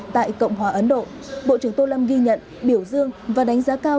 tại cộng hòa ấn độ bộ trưởng tô lâm ghi nhận biểu dương và đánh giá cao